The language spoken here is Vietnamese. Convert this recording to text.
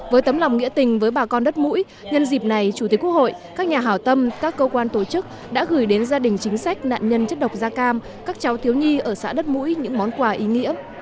với tấm lòng nghĩa tình với bà con đất mũi nhân dịp này chủ tịch quốc hội các nhà hào tâm các cơ quan tổ chức đã gửi đến gia đình chính sách nạn nhân chất độc da cam các cháu thiếu nhi ở xã đất mũi những món quà ý nghĩa